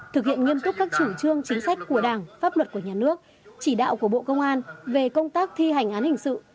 thực hiện nghiêm túc các chủ trương chính sách của đảng pháp luật của nhà nước chỉ đạo của bộ công an về công tác thi hành án hình sự